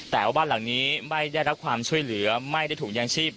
แต่ว่าบ้านหลังนี้ไม่ได้รับความช่วยเหลือไม่ได้ถุงยางชีพ